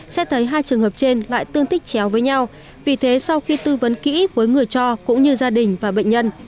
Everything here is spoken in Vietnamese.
xét thấy hai trường hợp trên lại tương thích chéo với nhau vì thế sau khi tư vấn kỹ với người cho cũng như gia đình và bệnh nhân